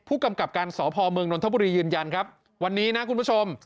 ผู้กำกับการสพเมืองนนทบุรียืนยันครับวันนี้นะคุณผู้ชม